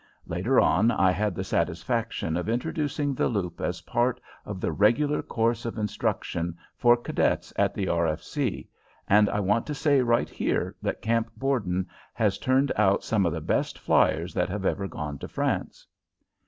Later on I had the satisfaction of introducing the loop as part of the regular course of instruction for cadets in the R. F. C., and I want to say right here that Camp Borden has turned out some of the best fliers that have ever gone to France.